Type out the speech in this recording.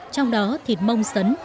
trong đó thịt mông sấn